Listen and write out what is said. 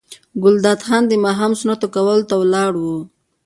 ګلداد خان د ماښام سنتو کولو ته ولاړ و.